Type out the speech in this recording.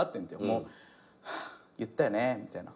「ハァ言ったよね」みたいな。